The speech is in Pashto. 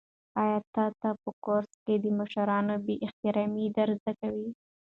آیا تا ته په کورس کې د مشرانو بې احترامي در زده کوي؟